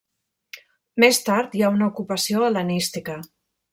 Més tard hi ha una ocupació hel·lenística.